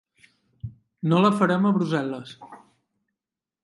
No la farem a Brussel·les.